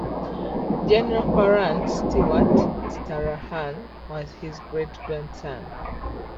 General Farrand Stewart Stranahan was his great-grandson.